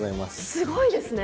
すごいですね。